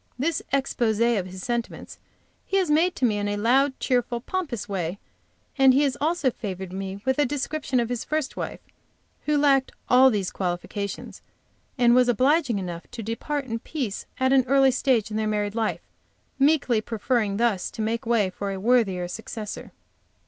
This expose of his sentiments he has made to me in a loud, cheerful, pompous way, and he has also favored me with a description of his first wife, who lacked all these qualifications, and was obliging enough to depart in peace at an early stage of their married life, meekly preferring thus to make way for a worthier successor.